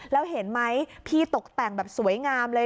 แล้วเห็นไหมพี่ตกแต่งแบบสวยงามเลย